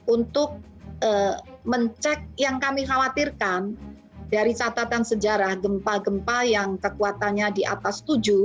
untuk mencek yang kami khawatirkan dari catatan sejarah gempa gempa yang kekuatannya di atas tujuh